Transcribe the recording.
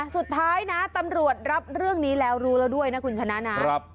สุดท้ายนะตำรวจรับเรื่องนี้แล้วรู้แล้วด้วยนะคุณชนะนะ